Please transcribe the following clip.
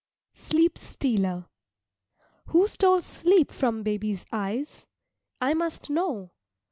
SLEEP STEALER Who stole sleep from baby's eyes? I must know.